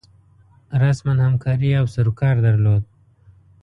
رسما همکاري او سروکار درلود.